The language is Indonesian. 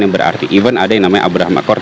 yang berarti event ada yang namanya abraham accord